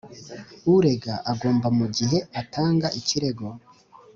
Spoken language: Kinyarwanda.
Urega agomba mu gihe atanga ikirego